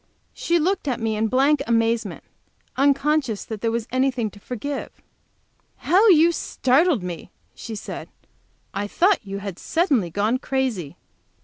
She looked at me in blank amazement, unconscious that there was anything to forgive. "How you startled me!" she said. "I thought you had suddenly gone crazy."